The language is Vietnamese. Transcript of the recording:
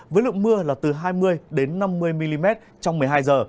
với lượng mưa là từ hai mươi năm mươi mm trong một mươi hai h